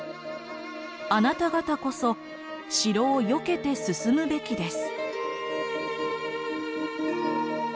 あなた方こそ城をよけて進むべきです」。